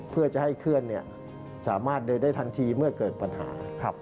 เพื่อจะให้เคลื่อนสามารถเดินได้ทันทีเมื่อเกิดปัญหา